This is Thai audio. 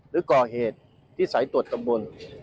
หรือก่อเหตุที่สายตรวจตำบล